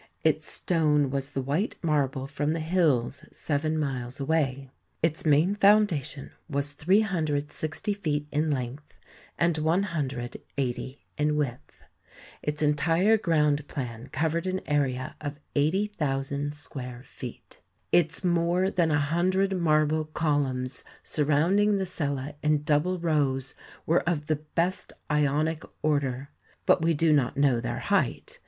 Its stone was the white marble from the hills seven miles away. Its main foundation was 360 feet in length and 180 in width; its entire ground plan covered an area of 80,000 square feet. Its more than a hundred marble columns sur rounding the cella in double rows were of the best Ionic order ; but we do not know their height.